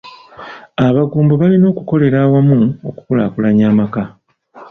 Abagumbo balina okukolera awamu okukulaakulanya amaka.